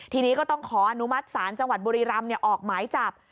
ทีนี้ก็ต้องขออนุมัติศาลจังหวัดบุรีรำออกหมายจับ